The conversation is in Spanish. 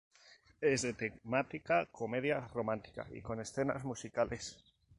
Es de temática comedia-romántica, y con escenas musicales.